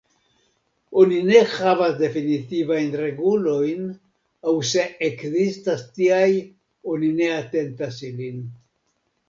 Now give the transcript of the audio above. Oni ne havas definitivajn regulojn, aŭ se ekzistas tiaj, oni ne atentas ilin.